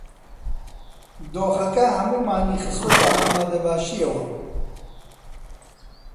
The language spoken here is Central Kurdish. دۆخەکە هەموومانی خستووەتە ئامادەباشییەوە.